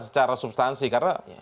secara substansi karena